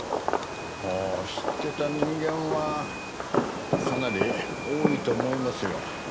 ああ知ってた人間はかなり多いと思いますよ。